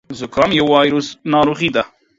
زکام يو وايرسي ناروغي ده.